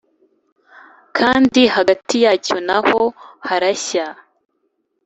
kandi hagati yacyo na ho harashya